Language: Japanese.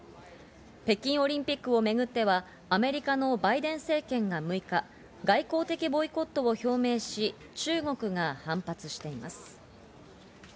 北京オリンピックをめぐっては、アメリカのバイデン政権が６日、外交的ボイコットを表明し、中国が反発しています。